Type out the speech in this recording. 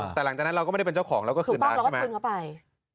แต่หลังจากนั้นเราก็ไม่ได้เป็นเจ้าของเราก็ขึ้นร้านใช่ไหม